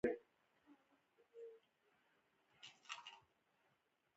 د یتیم سر غوړول ثواب دی